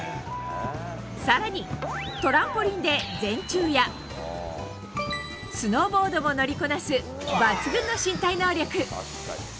更にトランポリンで、前宙やスノーボードも乗りこなす抜群の身体能力。